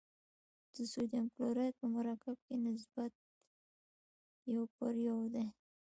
د سوډیم کلورایډ په مرکب کې نسبت یو پر یو دی.